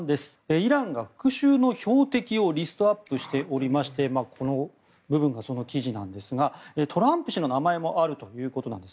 イランが復しゅうの標的をリストアップしておりましてこの部分がその記事ですがトランプ氏の名前もあるということです。